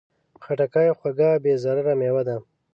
خټکی خوږه، بې ضرره مېوه ده.